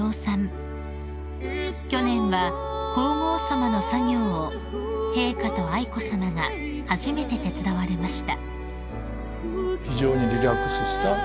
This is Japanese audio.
［去年は皇后さまの作業を陛下と愛子さまが初めて手伝われました］